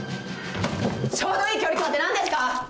ちょうどいい距離感って何ですか！？